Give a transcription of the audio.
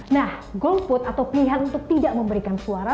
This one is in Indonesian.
nah golput atau pilihan untuk tidak memberikan suara